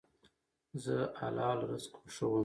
زه حلال رزق خوښوم.